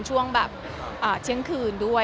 ช่วงเชื่องคืนด้วย